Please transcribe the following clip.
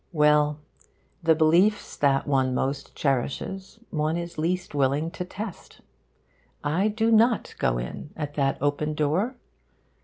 Well, the beliefs that one most cherishes one is least willing to test. I do not go in at that open door.